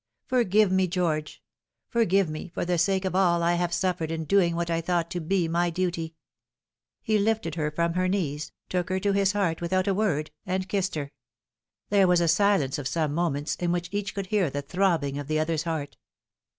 Forgive me, George ; forgive me for the sake of all I have suffered in doing what I thought to be my duty !" He lifted her from her knees, took her to his heart without Marlced by Fate. 339 a word, and kissed her. There was a silence of some moments, in which each could hear the throbbing of the other's heart.